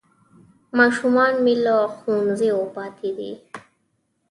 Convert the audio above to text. ماشومان مې له ښوونځیو پاتې دي